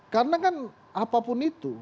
karena kan apapun itu